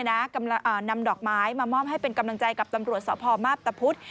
นำดอกไม้มามอบให้เป็นกำลังใจกับตำรวจสพมาพตะพุธ